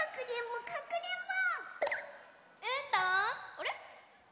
あれ？